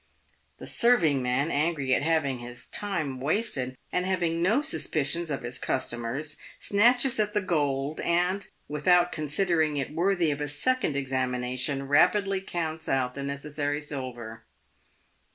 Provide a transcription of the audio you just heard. The serving man, angry at having his time wasted, and having no suspicion of his customers, snatches at the gold, and, without considering it worthy of a second examination, rapidly counts out the necessary silver.